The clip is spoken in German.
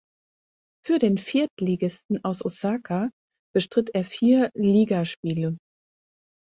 Für den Viertligisten aus Osaka bestritt er vier Ligaspiele.